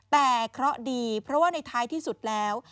แต่เคราะห์ดีเพราะว่าในท้ายที่สุดแล้ว